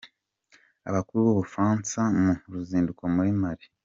Abakuru b’u Bufaransa mu ruzinduko muri Mali